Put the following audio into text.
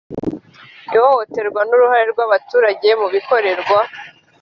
ihohoterwa n uruhare rw abaturage mu bibakorerwa